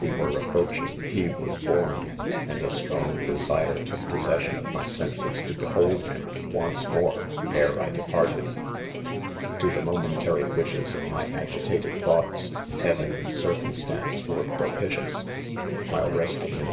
we were approaching; he was bornj and a strong desire took possession, of my senses to "behold him, once, moa^e, ^ere: 'I departed. \■: ^To(the, ; .nio|rjentafy : wishes/ of rmy agitated thoughtsy^eayen iand^;circumstance:were .pro pitious. "WMle resting riniVjai.